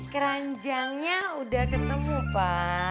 keranjangnya udah ketemu pa